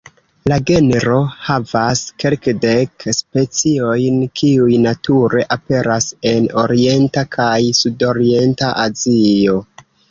La genro havas kelkdek speciojn, kiuj nature aperas en orienta kaj sudorienta Azio.